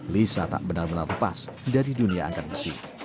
lisa tak benar benar lepas dari dunia angkat besi